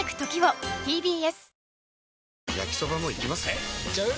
えいっちゃう？